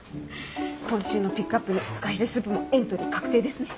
今週のピックアップにふかひれスープもエントリー確定ですね。